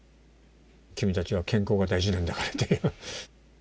君たちは健康が大事なんだからと。